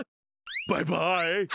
バイバイ！